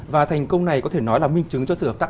và thành công này có thể nói là minh chứng cho sự hợp tác